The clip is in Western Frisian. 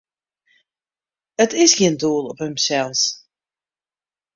It is gjin doel op himsels.